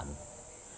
pembukaan hutan itu